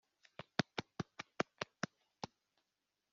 Izo akaziryama hagati yazo